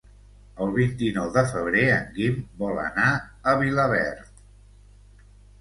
El vint-i-nou de febrer en Guim vol anar a Vilaverd.